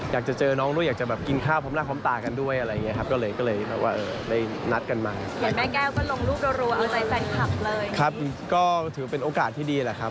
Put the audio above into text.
อยากจะเจอน้องด้วยอยากจะแบบกินข้าวพร้อมหน้าพร้อมตากันด้วยอะไรอย่างนี้ครับ